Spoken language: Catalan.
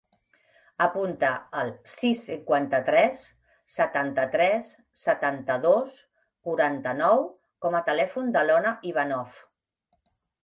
Apunta el sis, cinquanta-tres, setanta-tres, setanta-dos, quaranta-nou com a telèfon de l'Ona Ivanov.